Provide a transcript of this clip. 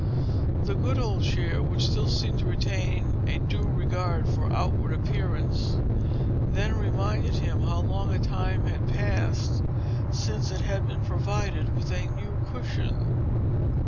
The good old chair, which still seemed to retain a due regard for outward appearance, then reminded him how long a time had passed, since it had been provided with a new cushion.